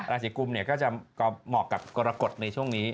ราวสีกุมเนี่ยก็จะเหมาะกับกรกฎในช่วงนี้